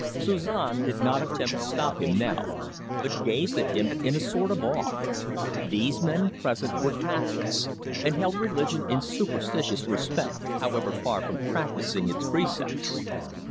Suzon did not attempt to stop him now, but gazed at him in a sort of awe. These men present were Catholics, and held religion in superstitious respect, however far from practising its precepts.